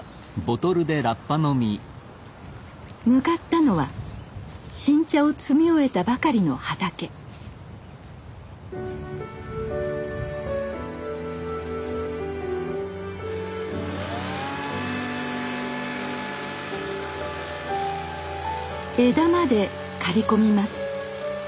向かったのは新茶を摘み終えたばかりの畑枝まで刈り込みます。